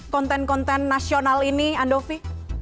konten konten nasional ini andovi